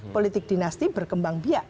politik dinasti berkembang biak